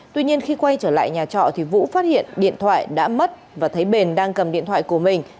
tuy nhiên khi quay trở lại nhà trọ thì vũ phát hiện điện thoại đã mất và thấy bền đang cầm điện thoại của mình